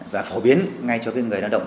và phổ biến ngay cho người lao động